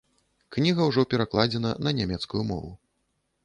Кніга ўжо перакладзена на нямецкую мову.